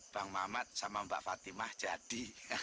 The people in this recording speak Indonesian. bang mamat sama mbak fatimah jadi